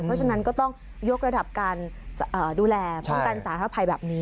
เพราะฉะนั้นก็ต้องยกระดับการดูแลป้องกันสาธารณภัยแบบนี้